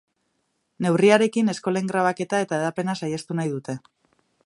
Neurriarekin eskolen grabaketa eta hedapena saihestu nahi dute.